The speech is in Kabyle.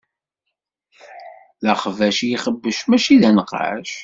D axbac i ixebbec, mačči d anqac.